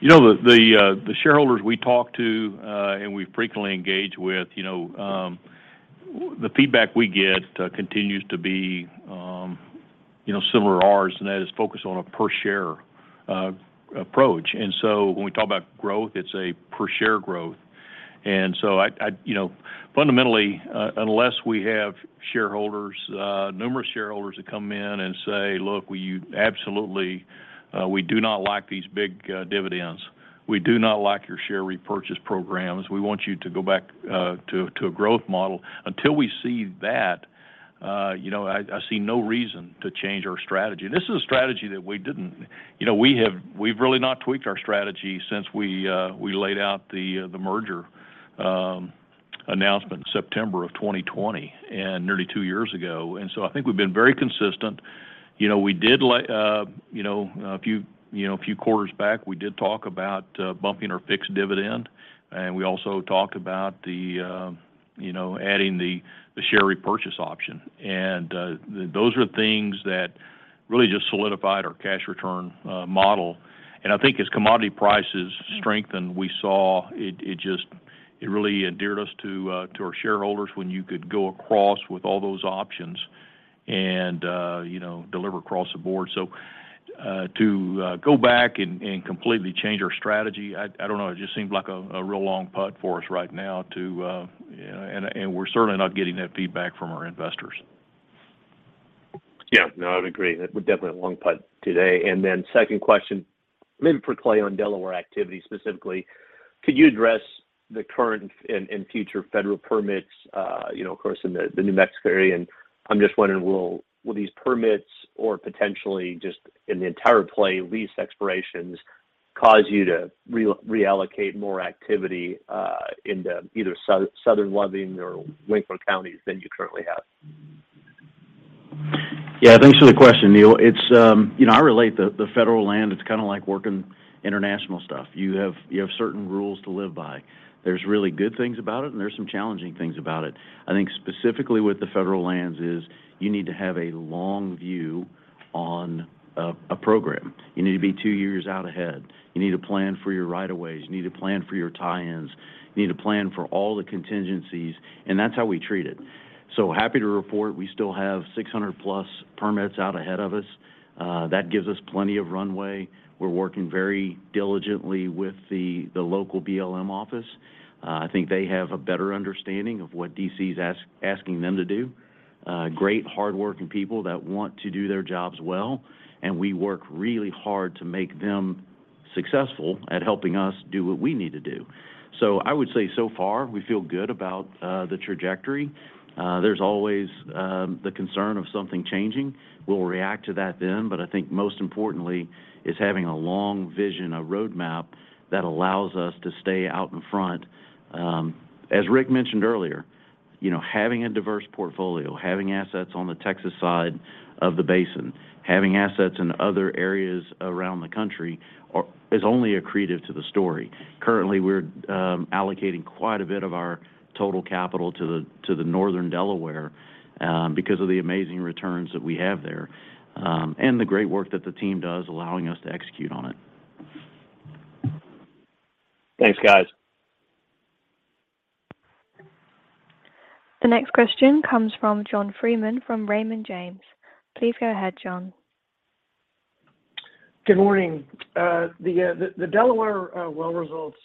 You know, the shareholders we talk to and we frequently engage with, you know, the feedback we get continues to be, you know, similar to ours, and that is focused on a per share approach. When we talk about growth, it's a per share growth. I, you know, fundamentally, unless we have shareholders, numerous shareholders that come in and say, "Look, absolutely, we do not like these big dividends. We do not like your share repurchase programs. We want you to go back to a growth model." Until we see that, you know, I see no reason to change our strategy. This is a strategy that we didn't. You know, we've really not tweaked our strategy since we laid out the merger announcement September of 2020 nearly two years ago. I think we've been very consistent. You know, we did like a few quarters back, we did talk about bumping our fixed dividend, and we also talked about adding the share repurchase option. Those are things that really just solidified our cash return model. I think as commodity prices strengthened, we saw it just really endeared us to our shareholders when you could go across with all those options and deliver across the board. To go back and completely change our strategy, I don't know, it just seems like a real long putt for us right now. You know, we're certainly not getting that feedback from our investors. Yeah. No, I would agree. That would definitely a long putt today. Then second question, maybe for Clay on Delaware activity specifically. Could you address the current and future federal permits, of course in the New Mexico area? I'm just wondering, will these permits or potentially just in the entire play lease expirations cause you to reallocate more activity into either Southern Delaware or Lea County than you currently have? Yeah. Thanks for the question, Neal. It's, you know, I relate the federal land, it's kinda like working international stuff. You have certain rules to live by. There's really good things about it, and there's some challenging things about it. I think specifically with the federal lands is you need to have a long view on a program. You need to be two years out ahead. You need to plan for your right of ways. You need to plan for your tie-ins. You need to plan for all the contingencies, and that's how we treat it. Happy to report we still have 600+ permits out ahead of us. That gives us plenty of runway. We're working very diligently with the local BLM office. I think they have a better understanding of what D.C.'s asking them to do. Great hardworking people that want to do their jobs well, and we work really hard to make them successful at helping us do what we need to do. I would say so far we feel good about the trajectory. There's always the concern of something changing. We'll react to that then. I think most importantly is having a long vision, a roadmap that allows us to stay out in front. As Rick mentioned earlier, you know, having a diverse portfolio, having assets on the Texas side of the basin, having assets in other areas around the country is only accretive to the story. Currently, we're allocating quite a bit of our total capital to the northern Delaware because of the amazing returns that we have there, and the great work that the team does allowing us to execute on it. Thanks, guys. The next question comes from John Freeman from Raymond James. Please go ahead, John. Good morning. The Delaware well results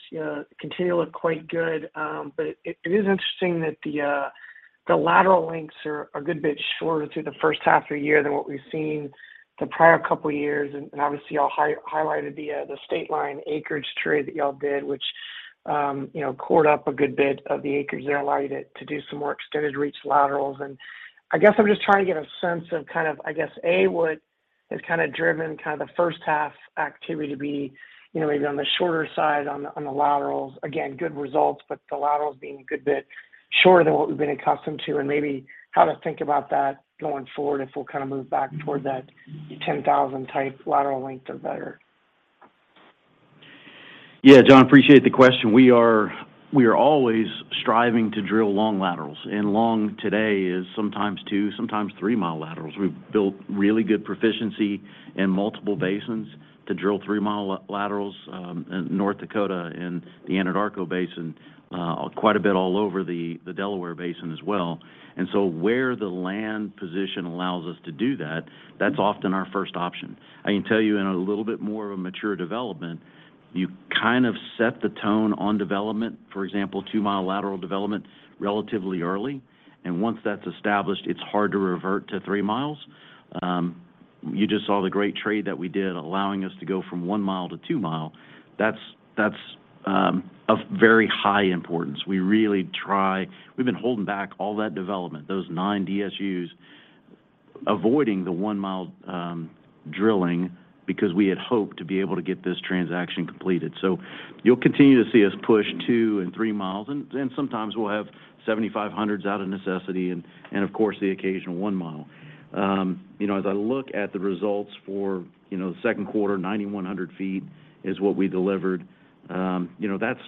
continue to look quite good. It is interesting that the lateral lengths are a good bit shorter through the H1 of the year than what we've seen the prior couple years. Obviously y'all highlighted the state line acreage trade that y'all did, which you know, cored up a good bit of the acres there, allowed you to do some more extended reach laterals. I guess I'm just trying to get a sense of kind of, I guess, A, what has kind of driven kind of the first half activity to be, you know, maybe on the shorter side on the laterals. Again, good results, but the laterals being a good bit shorter than what we've been accustomed to. Maybe how to think about that going forward if we'll kind of move back toward that 10,000 type lateral length or better. Yeah. John, appreciate the question. We are always striving to drill long laterals, and long today is sometimes two, sometimes three-mile laterals. We've built really good proficiency in multiple basins to drill three-mile laterals in North Dakota and the Anadarko Basin, quite a bit all over the Delaware Basin as well. Where the land position allows us to do that's often our first option. I can tell you in a little bit more of a mature development, you kind of set the tone on development, for example, two-mile lateral development relatively early, and once that's established, it's hard to revert to three miles. You just saw the great trade that we did, allowing us to go from one mile to two mile. That's of very high importance. We really try. We've been holding back all that development, those nine DSUs, avoiding the one-mile drilling because we had hoped to be able to get this transaction completed. You'll continue to see us push two and three miles, and sometimes we'll have 7,500s out of necessity and of course, the occasional one mile. As I look at the results for the second quarter, 9,100 feet is what we delivered. That's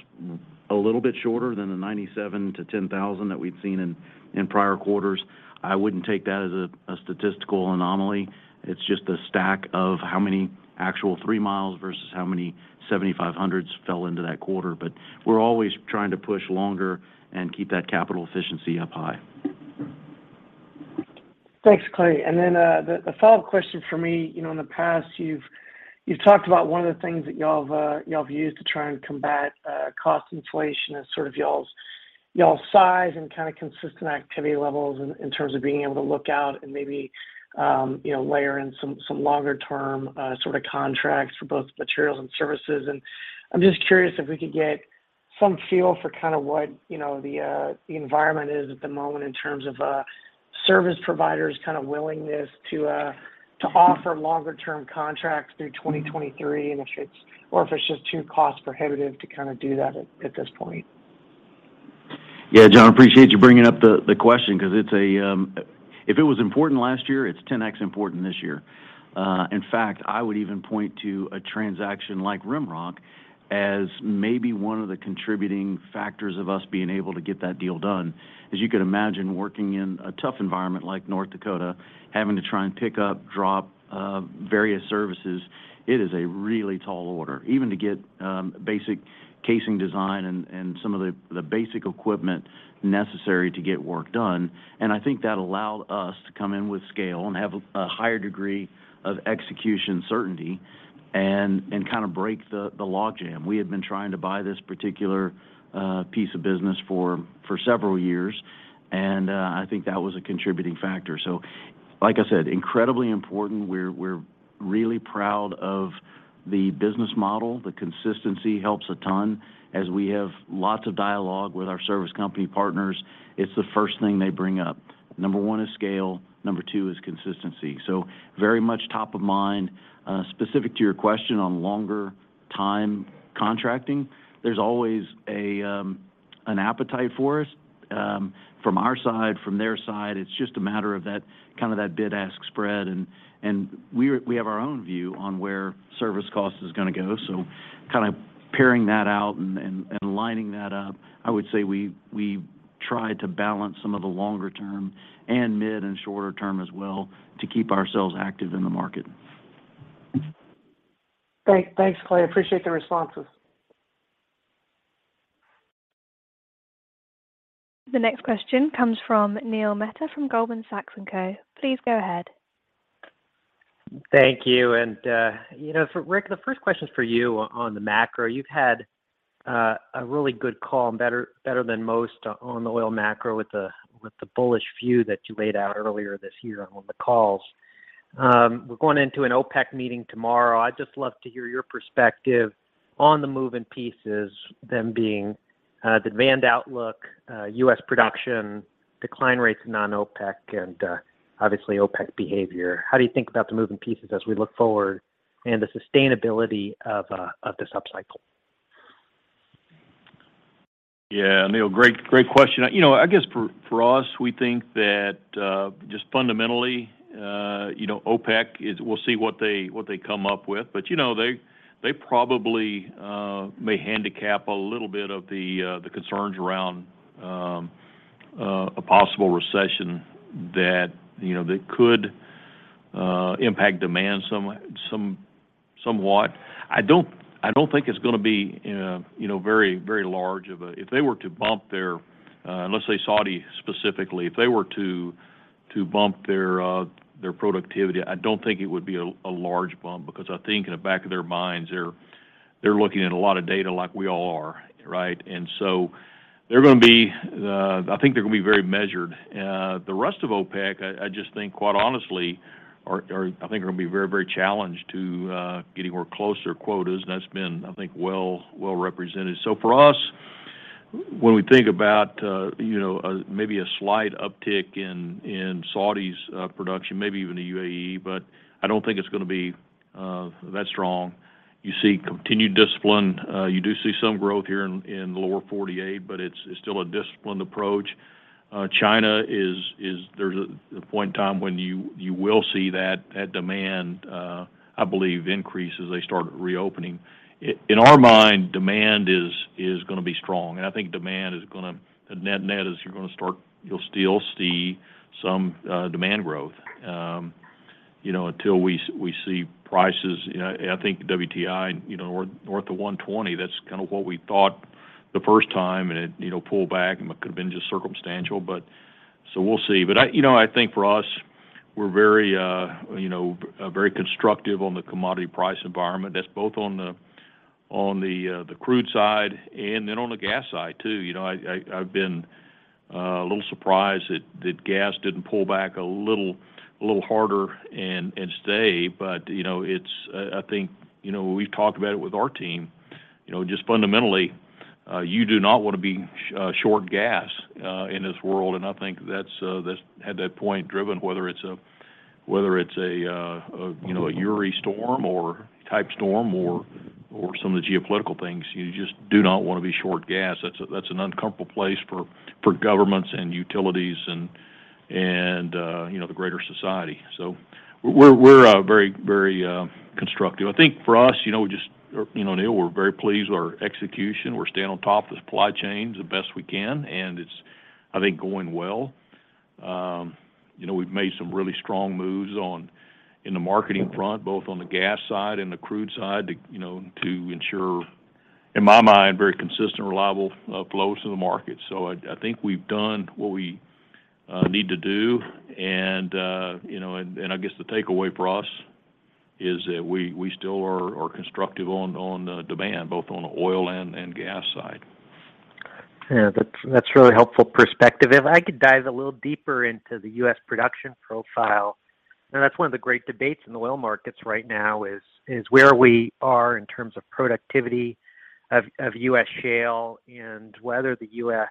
a little bit shorter than the 9,700-10,000 that we'd seen in prior quarters. I wouldn't take that as a statistical anomaly. It's just a stack of how many actual three miles versus how many 7,500s fell into that quarter. We're always trying to push longer and keep that capital efficiency up high. Thanks, Clay. The follow-up question from me, you know, in the past, you've talked about one of the things that y'all have used to try and combat cost inflation is sort of y'all's size and kind of consistent activity levels in terms of being able to look out and maybe, you know, layer in some longer term sort of contracts for both materials and services. I'm just curious if we could get some feel for kind of what, you know, the environment is at the moment in terms of service providers kind of willingness to to offer longer term contracts through 2023, and if it's or if it's just too cost prohibitive to kind of do that at this point. Yeah. John, appreciate you bringing up the question because it's if it was important last year, it's 10x important this year. In fact, I would even point to a transaction like RimRock as maybe one of the contributing factors of us being able to get that deal done. As you could imagine, working in a tough environment like North Dakota, having to try and pick up, drop various services, it is a really tall order. Even to get basic casing design and some of the basic equipment necessary to get work done. I think that allowed us to come in with scale and have a higher degree of execution certainty and kind of break the logjam. We had been trying to buy this particular piece of business for several years, and I think that was a contributing factor. Like I said, incredibly important. We're really proud of the business model. The consistency helps a ton as we have lots of dialogue with our service company partners. It's the first thing they bring up. Number one is scale. Number two is consistency. Very much top of mind. Specific to your question on longer time contracting, there's always an appetite for us, from our side, from their side. It's just a matter of that, kind of that bid-ask spread. We have our own view on where service cost is gonna go. Kind of pairing that out and lining that up, I would say we try to balance some of the longer term and mid and shorter term as well to keep ourselves active in the market. Thanks, Clay. Appreciate the responses. The next question comes from Neil Mehta from Goldman Sachs & Co. Please go ahead. Thank you. You know, for Rick, the first question is for you on the macro. You've had a really good call and better than most on the oil macro with the bullish view that you laid out earlier this year on one of the calls. We're going into an OPEC meeting tomorrow. I'd just love to hear your perspective on the moving pieces, them being the demand outlook, U.S. production, decline rates in non-OPEC, and obviously OPEC behavior. How do you think about the moving pieces as we look forward and the sustainability of this upcycle? Yeah. Neil, great question. You know, I guess for us, we think that just fundamentally, you know, OPEC is. We'll see what they come up with. You know, they probably may handicap a little bit of the concerns around a possible recession that, you know, that could impact demand somewhat. I don't think it's gonna be very large. If they were to bump their, let's say Saudi specifically, if they were to bump their productivity, I don't think it would be a large bump because I think in the back of their minds, they're looking at a lot of data like we all are, right? And so They're gonna be. I think they're gonna be very measured. The rest of OPEC, I just think quite honestly are gonna be very, very challenged to getting more closer quotas. That's been, I think, well represented. For us, when we think about maybe a slight uptick in Saudis' production, maybe even the UAE, but I don't think it's gonna be that strong. You see continued discipline. You do see some growth here in the lower 48, but it's still a disciplined approach. China is. There's a point in time when you will see that demand, I believe, increase as they start reopening. In our mind, demand is gonna be strong, and I think demand is gonna be strong. You'll still see some demand growth, you know, until we see prices, you know. I think WTI, you know, north of $120, that's kinda what we thought the first time, and it, you know, pulled back and could have been just circumstantial. We'll see. I think for us, we're very, you know, very constructive on the commodity price environment. That's both on the crude side and then on the gas side too. You know, I've been a little surprised that gas didn't pull back a little harder and stay. You know, it's, I think, you know, we've talked about it with our team. You know, just fundamentally, you do not wanna be short gas in this world, and I think that's had that point driven, whether it's a, you know, a Uri storm or type storm or some of the geopolitical things. You just do not wanna be short gas. That's an uncomfortable place for governments and utilities and, you know, the greater society. We're very constructive. I think for us, you know, just, you know, Neil, we're very pleased with our execution. We're staying on top of the supply chains the best we can, and it's, I think, going well. You know, we've made some really strong moves on the marketing front, both on the gas side and the crude side to ensure, in my mind, very consistent, reliable flows to the market. I think we've done what we need to do and I guess the takeaway for us is that we still are constructive on demand, both on the oil and gas side. Yeah. That's really helpful perspective. If I could dive a little deeper into the U.S. production profile, you know, that's one of the great debates in the oil markets right now is where we are in terms of productivity of U.S. shale and whether the U.S.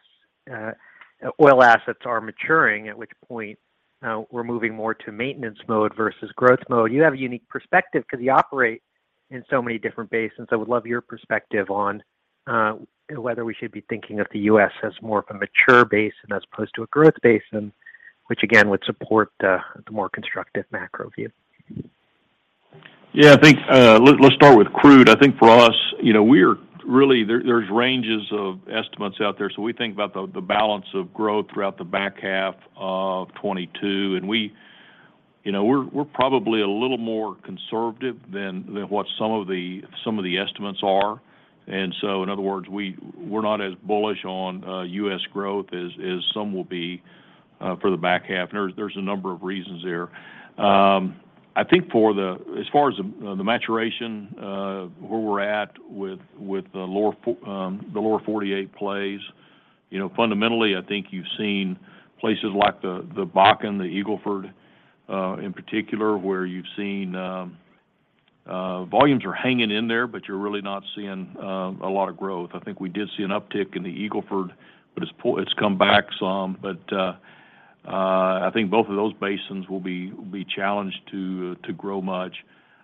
oil assets are maturing, at which point, we're moving more to maintenance mode versus growth mode. You have a unique perspective 'cause you operate in so many different basins. I would love your perspective on whether we should be thinking of the U.S. as more of a mature basin as opposed to a growth basin, which again, would support the more constructive macro view. Yeah. I think, let's start with crude. I think for us, you know, there's ranges of estimates out there, so we think about the balance of growth throughout the back half of 2022, and we. You know, we're probably a little more conservative than what some of the estimates are. In other words, we're not as bullish on U.S. growth as some will be for the back half. There's a number of reasons there. I think as far as the maturation, where we're at with the lower 48 plays, you know, fundamentally, I think you've seen places like the Bakken, the Eagle Ford, in particular, where you've seen. Volumes are hanging in there, but you're really not seeing a lot of growth. I think we did see an uptick in the Eagle Ford, but it's come back some. I think both of those basins will be challenged to grow much.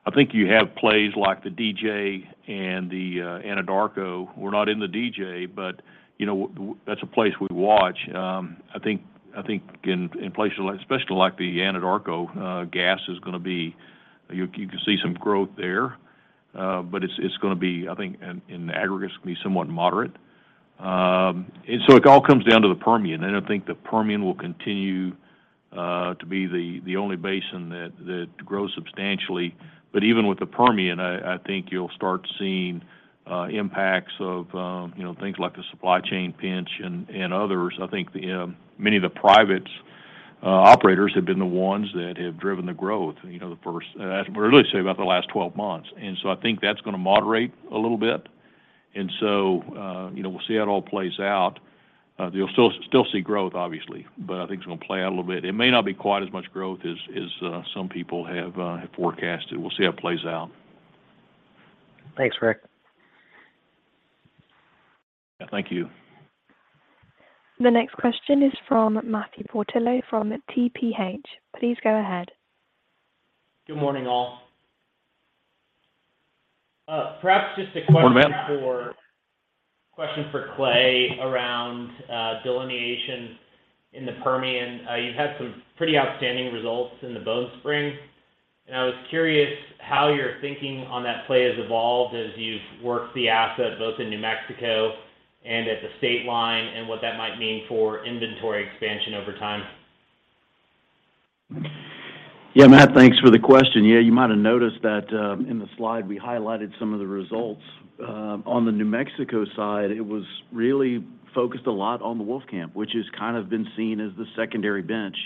I think you have plays like the DJ and the Anadarko. We're not in the DJ, but you know that's a place we watch. I think in places like, especially like the Anadarko, you can see some growth there, but it's gonna be, I think, in the aggregate, somewhat moderate. It all comes down to the Permian, and I think the Permian will continue to be the only basin that grows substantially. Even with the Permian, I think you'll start seeing impacts of, you know, things like the supply chain pinch and others. I think many of the private operators have been the ones that have driven the growth, you know, I'd really say about the last 12 months. I think that's gonna moderate a little bit. You know, we'll see how it all plays out. You'll still see growth obviously, but I think it's gonna play out a little bit. It may not be quite as much growth as some people have forecasted. We'll see how it plays out. Thanks, Rick. Yeah. Thank you. The next question is from Matthew Portillo from TPH&Co. Please go ahead. Good morning, all. Perhaps just a question. Good morning, Matt. Question for Clay around delineation in the Permian. You've had some pretty outstanding results in the Bone Spring, and I was curious how your thinking on that play has evolved as you've worked the asset both in New Mexico and at the state line, and what that might mean for inventory expansion over time. Yeah, Matt, thanks for the question. Yeah, you might have noticed that, in the slide we highlighted some of the results. On the New Mexico side, it was really focused a lot on the Wolfcamp, which has kind of been seen as the secondary bench.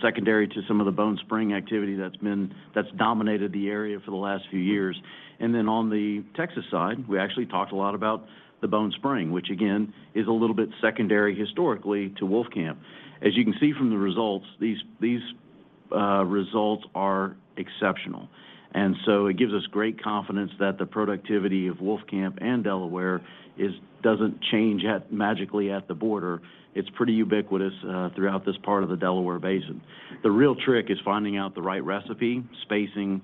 Secondary to some of the Bone Spring activity that's dominated the area for the last few years. Then on the Texas side, we actually talked a lot about the Bone Spring, which again is a little bit secondary historically to Wolfcamp. As you can see from the results, these results are exceptional. It gives us great confidence that the productivity of Wolfcamp and Delaware doesn't change magically at the border. It's pretty ubiquitous throughout this part of the Delaware Basin. The real trick is finding out the right recipe, spacing,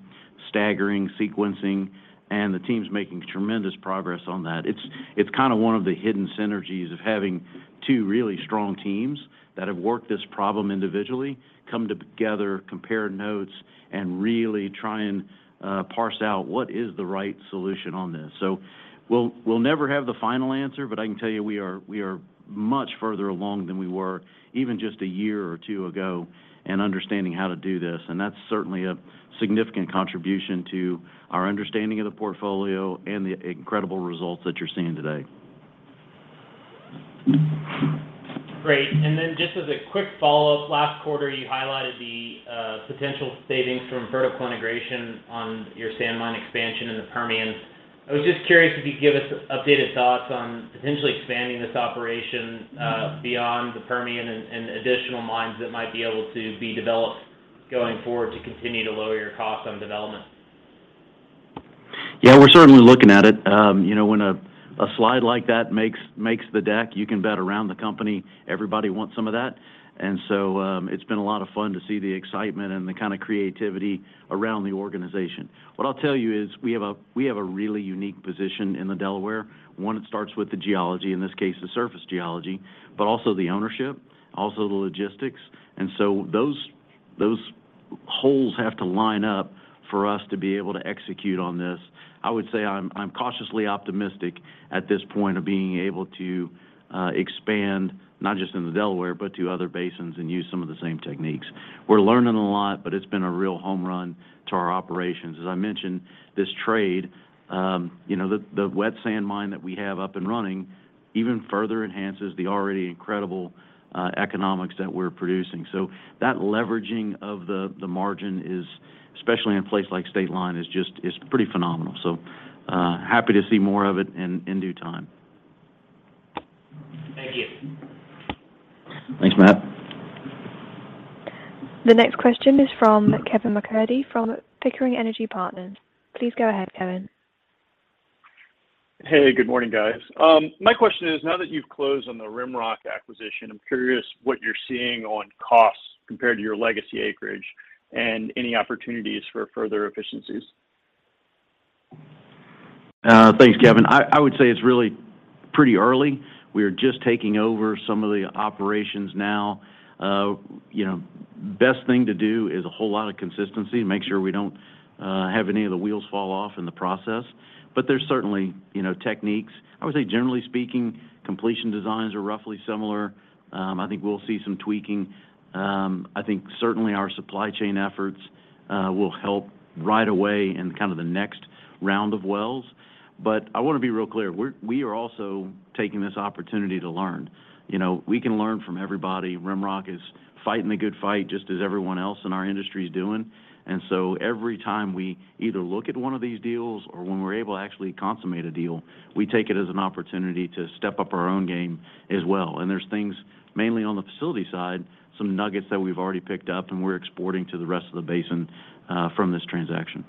staggering, sequencing, and the team's making tremendous progress on that. It's kinda one of the hidden synergies of having two really strong teams that have worked this problem individually, come together, compare notes, and really try and parse out what is the right solution on this. We'll never have the final answer, but I can tell you we are much further along than we were even just a year or two ago in understanding how to do this, and that's certainly a significant contribution to our understanding of the portfolio and the incredible results that you're seeing today. Great. Just as a quick follow-up, last quarter you highlighted the potential savings from vertical integration on your sand mine expansion in the Permian. I was just curious if you'd give us updated thoughts on potentially expanding this operation beyond the Permian and additional mines that might be able to be developed going forward to continue to lower your cost on development. Yeah, we're certainly looking at it. You know, when a slide like that makes the deck, you can bet around the company everybody wants some of that. It's been a lot of fun to see the excitement and the kinda creativity around the organization. What I'll tell you is we have a really unique position in the Delaware. One, it starts with the geology, in this case, the surface geology, but also the ownership, also the logistics. Those holes have to line up for us to be able to execute on this. I would say I'm cautiously optimistic at this point of being able to expand not just into Delaware, but to other basins and use some of the same techniques. We're learning a lot, but it's been a real home run to our operations. As I mentioned this trade, the wet sand mine that we have up and running even further enhances the already incredible economics that we're producing. That leveraging of the margin, especially in a place like State Line, is just pretty phenomenal. Happy to see more of it in due time. Thank you. Thanks, Matt. The next question is from Kevin MacCurdy from Pickering Energy Partners. Please go ahead, Kevin. Hey, good morning guys. My question is, now that you've closed on the RimRock acquisition, I'm curious what you're seeing on costs compared to your legacy acreage and any opportunities for further efficiencies. Thanks, Kevin. I would say it's really pretty early. We are just taking over some of the operations now. You know, best thing to do is a whole lot of consistency to make sure we don't have any of the wheels fall off in the process. There's certainly, you know, techniques. I would say generally speaking, completion designs are roughly similar. I think we'll see some tweaking. I think certainly our supply chain efforts will help right away in kind of the next round of wells. I wanna be real clear, we are also taking this opportunity to learn. You know, we can learn from everybody. RimRock is fighting the good fight just as everyone else in our industry is doing. Every time we either look at one of these deals or when we're able to actually consummate a deal, we take it as an opportunity to step up our own game as well. There's things mainly on the facility side, some nuggets that we've already picked up and we're exporting to the rest of the basin, from this transaction.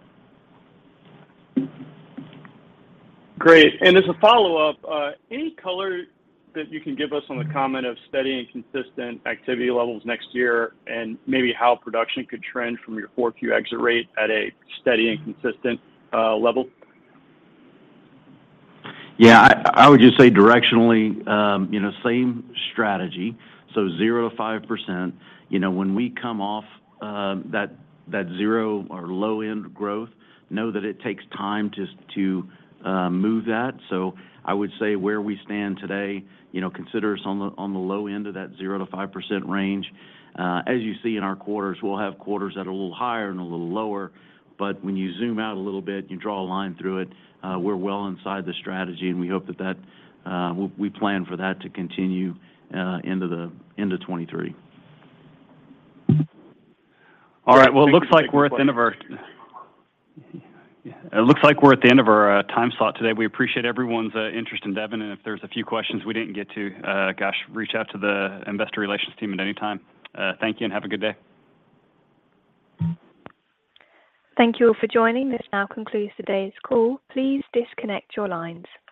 Great. As a follow-up, any color that you can give us on the comment of steady and consistent activity levels next year, and maybe how production could trend from your Q4 exit rate at a steady and consistent level? Yeah, I would just say directionally, you know, same strategy, so 0%-5%. You know, when we come off that zero or low end growth, know that it takes time to move that. I would say where we stand today, you know, consider us on the low end of that 0%-5% range. As you see in our quarters, we'll have quarters that are a little higher and a little lower, but when you zoom out a little bit and you draw a line through it, we're well inside the strategy and we hope that we plan for that to continue into 2023. All right. Well, it looks like we're at the end of our. Yeah. It looks like we're at the end of our time slot today. We appreciate everyone's interest in Devon, and if there's a few questions we didn't get to, gosh, reach out to the investor relations team at any time. Thank you and have a good day. Thank you all for joining. This now concludes today's call. Please disconnect your lines.